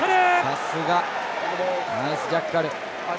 さすが、ナイスジャッカル。